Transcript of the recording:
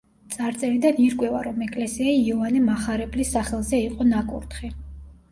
წარწერიდან ირკვევა რომ ეკლესია იოანე მახარებლის სახელზე იყო ნაკურთხი.